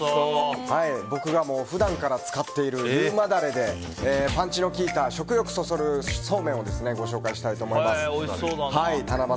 僕が普段から使っている優馬ダレでパンチの効いた食欲そそるそうめんをご紹介したいと思います。